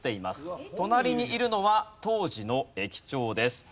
隣にいるのは当時の駅長です。